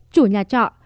chủ nhà trọ